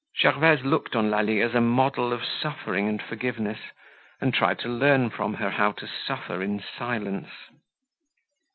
Gervaise looked on Lalie as a model of suffering and forgiveness and tried to learn from her how to suffer in silence.